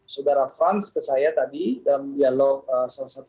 saudara frans ke saya tadi dalam dialog salah satu